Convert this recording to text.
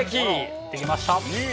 行ってきました。